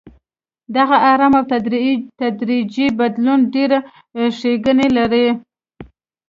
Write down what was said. دغه ارام او تدریجي بدلون ډېرې ښېګڼې لري.